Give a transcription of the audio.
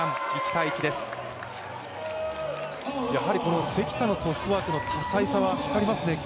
やはり関田のトスワークの多彩さは光りますね。